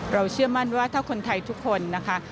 เชื่อมั่นว่าถ้าคนไทยทุกคนนะคะ